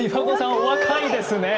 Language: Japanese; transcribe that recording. お若いですねえ！